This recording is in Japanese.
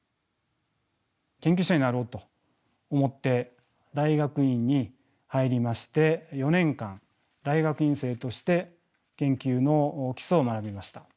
研究者になろうと思って大学院に入りまして４年間大学院生として研究の基礎を学びました。